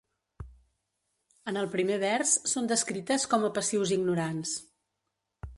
En el primer vers, són descrites com a passius ignorants.